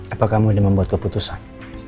apa kamu udah membuat keputusan